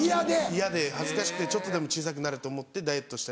嫌で恥ずかしくてちょっとでも小さくなれと思ってダイエットしたり。